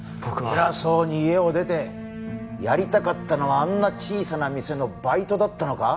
偉そうに家を出てやりたかったのはあんな小さな店のバイトだったのか？